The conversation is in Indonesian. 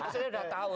saya sudah tahu